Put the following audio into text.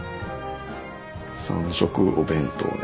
３色お弁当で。